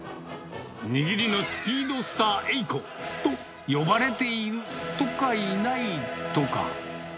握りのスピードスター英子と呼ばれているとかいないとか。